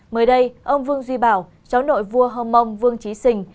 mới đây ông vương duy bảo cháu nội vua hơm mông vương trí sình